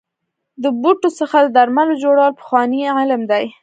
د بوټو څخه د درملو جوړول پخوانی علم دی.